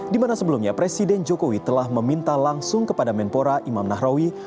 di mana sebelumnya presiden jokowi telah meminta langsung kepada menpora imam nahrawi